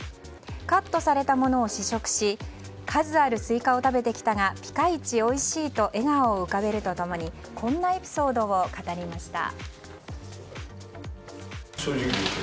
カットされたものを試食し数あるスイカを食べてきたがピカイチおいしいと笑顔を浮かべると共にこんなエピソードを語りました。